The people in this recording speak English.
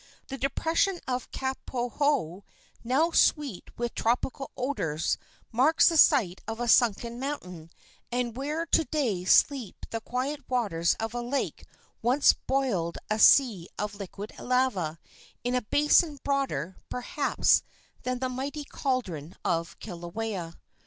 The depression of Kapoho, now sweet with tropical odors, marks the site of a sunken mountain, and where to day sleep the quiet waters of a lake once boiled a sea of liquid lava, in a basin broader, perhaps, than the mighty caldron of Kilauea.